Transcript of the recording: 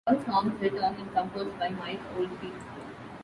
All songs written and composed by Mike Oldfield.